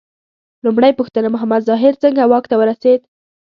لومړۍ پوښتنه: محمد ظاهر څنګه واک ته ورسېد؟